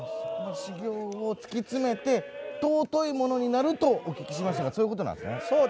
修行を突き詰めて尊い者になるとお聞きしましたがそういうことなんですか。